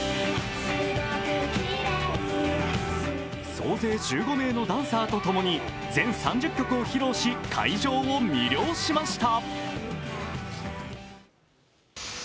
総勢１５名のダンサーとともに全３０曲を披露し会場を魅了しました。